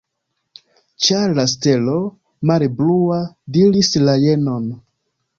Ĉar la stelo, mare blua, diris la jenon.